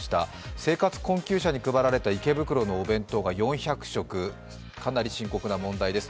生活困窮者に配られた池袋のお弁当が４００食、かなり深刻な問題です。